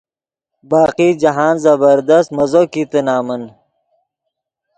باقی جاہند زبردست مزو کیتے نمن۔